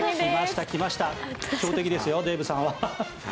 強敵ですよ、デーブさんは。